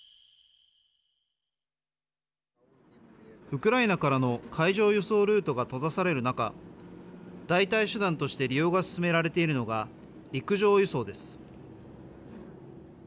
ウクライナからの海上輸送ルートが閉ざされる中代替手段として利用が進められているのが陸上輸送です。